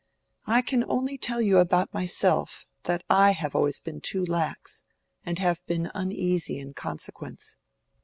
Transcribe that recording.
I can only tell you about myself, that I have always been too lax, and have been uneasy in consequence."